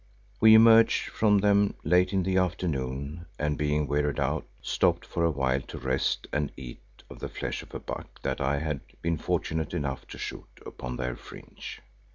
We emerged from them late in the afternoon and being wearied out, stopped for a while to rest and eat of the flesh of a buck that I had been fortunate enough to shoot upon their fringe.